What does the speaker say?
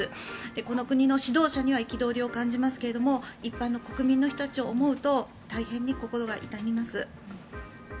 この国の指導者には憤りを感じますけれども一般の国民の人たちを思うと大変心が痛みます。